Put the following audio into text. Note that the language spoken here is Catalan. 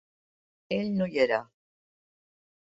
Ell no hi era.